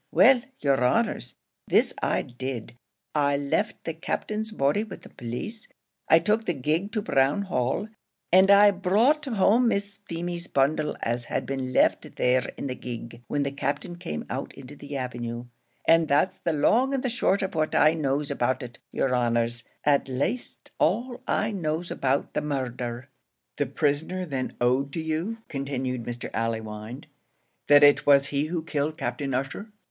Well, yer honours, this I did I left the Captain's body with the police I took the gig to Brown Hall and I brought home Miss Feemy's bundle as had been left there in the gig, when the Captain came out into the avenue and that's the long and the short of what I knows about it, yer honours at laste, all I knows about the murder." "The prisoner then owned to you," continued Mr. Allewinde, "that it was he who killed Captain Ussher?"